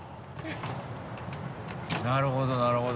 なるほどなるほど。